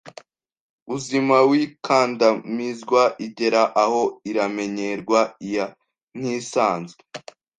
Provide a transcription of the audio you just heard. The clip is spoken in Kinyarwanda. uzima w’ikandamizwa igera aho iramenyerwa ia nk’iisanzwe